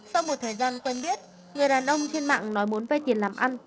sau một thời gian quen biết người đàn ông trên mạng nói muốn vay tiền làm ăn